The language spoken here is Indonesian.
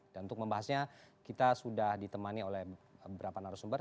dan untuk membahasnya kita sudah ditemani oleh beberapa narasumber